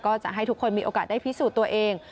จะให้ทุกคนมีโอกาสได้พิสูจน์ตัวเอง